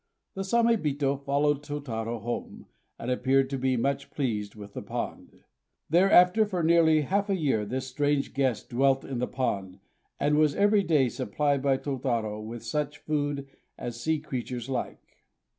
The Samébito followed Tôtarô home, and appeared to be much pleased with the pond. Thereafter, for nearly half a year, this strange guest dwelt in the pond, and was every day supplied by Tôtarô with such food as sea creatures like.